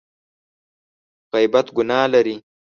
غیبت ګناه لري !